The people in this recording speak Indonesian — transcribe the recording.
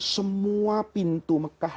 semua pintu mekah